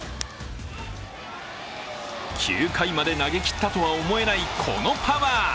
９回まで投げきったとは思えないこのパワー。